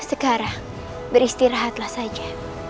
sekarang beristirahatlah saja